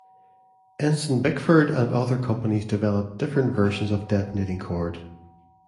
Ensign-Bickford and other companies developed different versions of detonating cord.